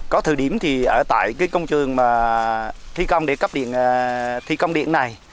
có thử điểm thì ở tại công trường thi công điện này